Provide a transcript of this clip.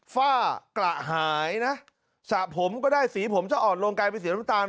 ฝ้ากระหายนะสระผมก็ได้สีผมจะอ่อนลงกลายเป็นสีน้ำตาล